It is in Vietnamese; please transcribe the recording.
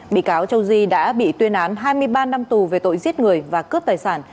bị cáo châu di đã bị tuyên án hai mươi ba năm tù về tội giết người và cướp tài sản